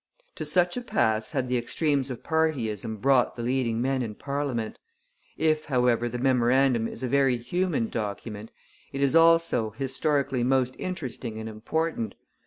To such a pass had the extremes of partyism brought the leading men in parliament. If, however, the memorandum is a very human document, it is also historically most interesting and important.